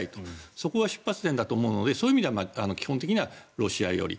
そこは出発点だと思うのでそういう意味ではロシア寄り。